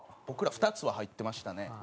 僕ら２つは入ってましたね。